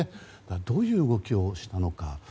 どういう動きをしたのか。